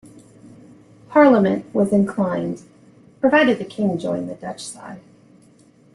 Parliament was inclined, provided the king joined the Dutch side.